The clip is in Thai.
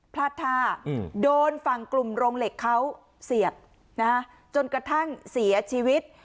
พลาดท่าโดนฝั่งกลุ่มโรงเหล็กเขาเสียบจนกระทั่งเสียชีวิต